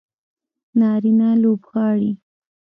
نارینه لوبغاړي